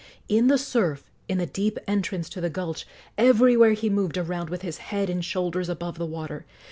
In the surf, in the deep entrance to the gulch, everywhere he moved around with his head and shoulders above the water.